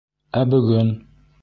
Ә бөгөн...